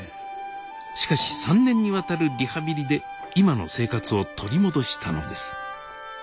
しかし３年にわたるリハビリで今の生活を取り戻したのです。